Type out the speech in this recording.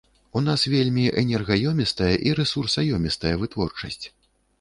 У нас вельмі энергаёмістая і рэсурсаёмістая вытворчасць.